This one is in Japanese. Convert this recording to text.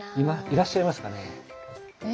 いらっしゃいますかね？